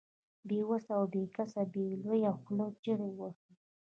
بې وسي او بې کسي يې په لويه خوله چيغې وهي.